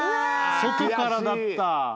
外からだった。